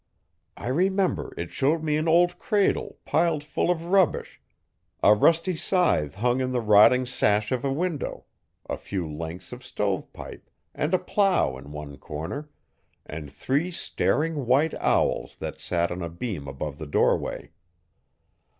I remember it showed me an old cradle, piled full of rubbish, a rusty scythe hung in the rotting sash of a window, a few lengths of stove pipe and a plough in one corner, and three staring white owls that sat on a beam above the doorway.